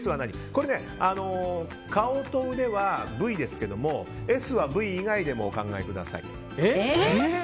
これ、顔と腕は部位ですけどもＳは部位以外でもお考えください。